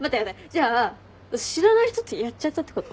じゃあ知らない人とやっちゃったってこと？